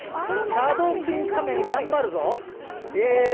シャドークイーン仮面、頑張るぞ。